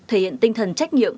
thể hiện tinh thần trách nhiệm